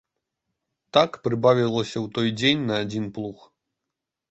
Так прыбавілася ў той дзень на адзін плуг.